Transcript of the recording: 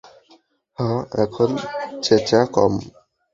হ্যাঁ, এখন চেঁচা কম।